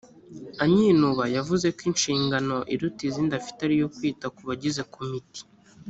anyinuba yavuze ko inshingano iruta izindi afite ari iyo kwita ku bagize komiti